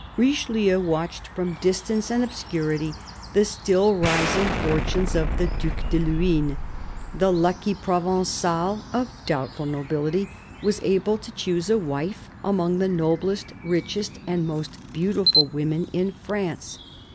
Richelieu watched, from distance and obscurity, the still rising fortunes of the Due de Luynes. The lucky Provengal, of doubtful nobility, was able to choose a wife among the noblest, richest and most beautiful women in France.